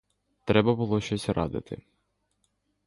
Треба було щось радити.